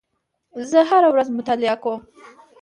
زه هره ورځ مطالعه کوم.